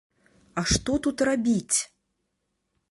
А што тут рабіць?